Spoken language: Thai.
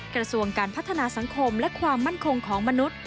กระทรวงการพัฒนาสังคมและความมั่นคงของมนุษย์